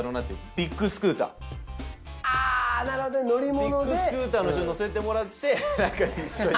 ビッグスクーターの後ろに乗せてもらって一緒に。